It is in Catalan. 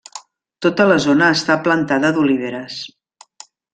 Tota la zona està plantada d'oliveres.